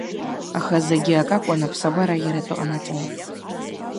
Аха зегьы акакәын аԥсабара иара атәы ҟанаҵон.